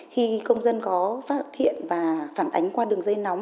khi công dân có phát hiện và phản ánh qua đường dây nóng